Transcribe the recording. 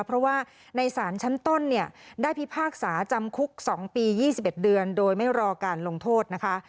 เพราะว่าในศาลชั้นต้นเนี่ยได้พิพากษาจำคุก๒ปี๒๑เดือนโดยไม่รอการลงโทษนะคะ